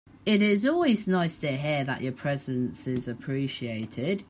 It is always nice to hear that your presence is appreciated.